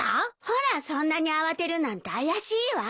ほらそんなに慌てるなんて怪しいわ。